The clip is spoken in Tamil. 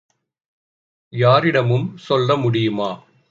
யாரிடமும் சொல்ல முடியுமா?